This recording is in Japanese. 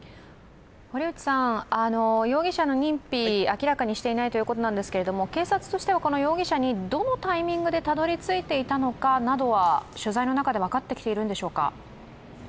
容疑者の認否、明らかにしていないということなんですけども警察としてはこの容疑者にどのタイミングでたどりついていたのかは、取材の中で分かってきているんでしょうか。